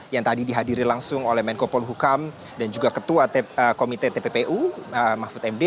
yang tadi dihadiri langsung oleh menko polhukam dan juga ketua komite tppu mahfud md